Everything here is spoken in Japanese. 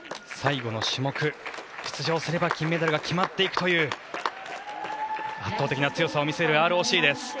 最後の種目、出場すれば金メダルが決まっていくという圧倒的な強さを見せるＲＯＣです。